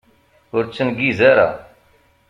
Ur ttengiz ara!